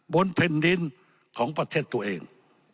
แผ่นดินของประเทศตัวเอง